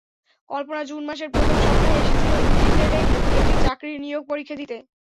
কল্পনা June মাসের প্রথম সপ্তাহে এসেছিল ইপিজেডে একটি চাকরির নিয়োগ পরীক্ষা দিতে।